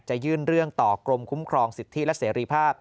ยื่นเรื่องต่อกรมคุ้มครองสิทธิและเสรีภาพ